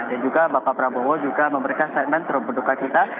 dan juga bapak prabowo juga memberikan statement terhubung dengan kita